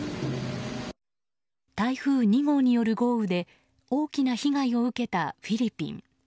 台風２号による豪雨で大きな被害を受けたフィリピン。